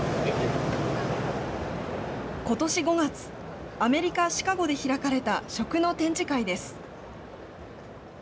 ことし５月、アメリカ・シカゴで開かれた食の展示会です。